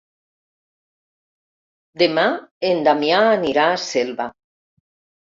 Demà en Damià anirà a Selva.